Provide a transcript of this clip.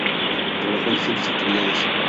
Trabajó en distintas actividades.